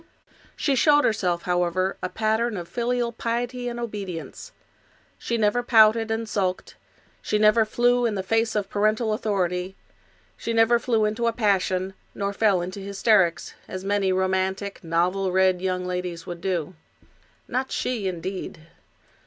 She showed herself, however, a pattern of filial piety and obedience. She never pouted and sulked ; she never flew in the face of parental authority ; she never flew into a passion, nor fell into hysterics, as many romantic, novel read young ladies would do. Not she, indeed.